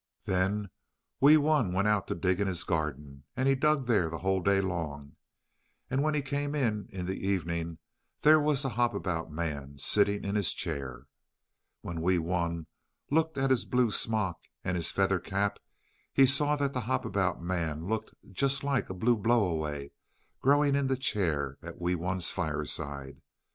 Then Wee Wun went out to dig in his garden, and he dug there the whole day long, and when he came in in the evening, there was the Hop about Man sitting in his chair. When Wee Wun looked at his blue smock and his feather cap he saw that the Hop about Man looked just like a blue blow away growing in the chair at Wee Wun's fireside.